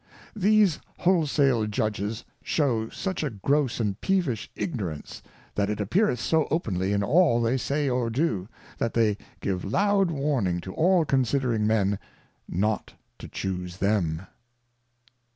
These Whole sale Judges shew such a gross and peevish Ignorance that it appeareth so openly in all they say or do. That they give loud warning to all considering Men, not to chuse them.